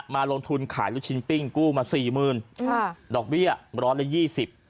มาลงทุนขายรถชิ้นปิ้งกู้มา๔๐๐๐๐บาทดอกเบี้ย๑๐๐บาทและ๒๐บาท